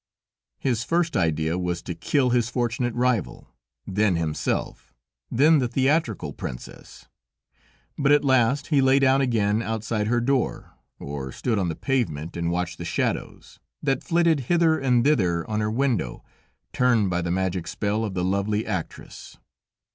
His first idea was to kill his fortunate rival, then himself, then the theatrical princess, but at last, he lay down again outside her door, or stood on the pavement and watched the shadows, that flitted hither and thither on her window, turned by the magic spell of the lovely actress.